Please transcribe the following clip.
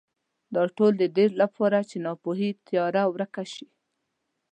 دا ټول د دې لپاره چې ناپوهۍ تیاره ورکه شي.